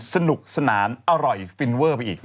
สนุกสนานอร่อยฟินเวอร์ไปอีก